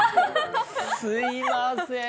すいません！